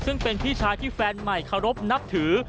ซึ่งเป็นพี่ชายที่แฟนใหม่เคารพนับถือ